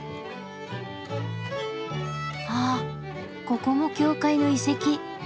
あっここも教会の遺跡！